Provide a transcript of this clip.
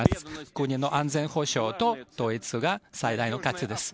国の安全保障と統一が最大の価値です。